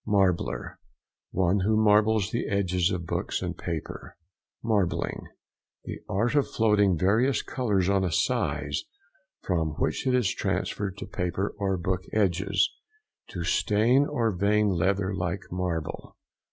MARBLER.—One who marbles the edges of books and paper. MARBLING.—The art of floating various colours on a size, from which it is transferred to paper or book edges. To stain or vein leather like marble.